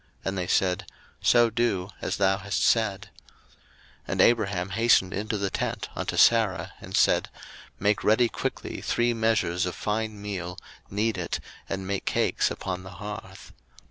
And they said, So do, as thou hast said. 01:018:006 And Abraham hastened into the tent unto Sarah, and said, Make ready quickly three measures of fine meal, knead it, and make cakes upon the hearth.